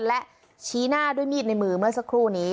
และชี้หน้าด้วยมีดในมือเมื่อสักครู่นี้